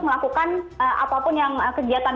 melakukan apapun yang kegiatan